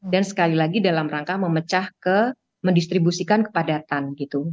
dan sekali lagi dalam rangka memecah ke mendistribusikan kepadatan gitu